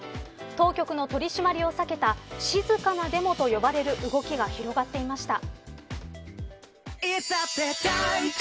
当局の取り締まりを避けた静かなデモと呼ばれる動きが広がっていました。